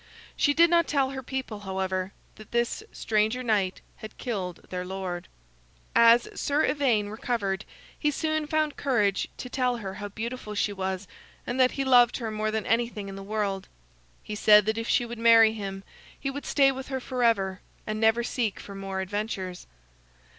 She did not tell her people, however, that this stranger knight had killed their lord. As Sir Ivaine recovered, he soon found courage to tell her how beautiful she was, and that he loved her more than anything in the world. He said that if she would marry him, he would stay with her forever, and never seek for more adventures.